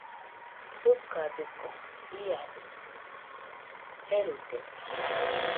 Jɨkadɨkue, iadedɨ jeruide